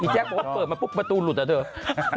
แจ๊คบอกว่าเปิดมาปุ๊บประตูหลุดอ่ะเถอะ